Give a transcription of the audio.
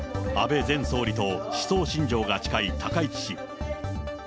安倍前総理と思想信条が近い高市氏。